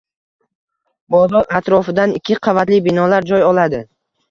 Bozor atrofidan ikki qavatli binolar joy oladi.